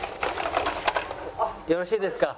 よろしいですか？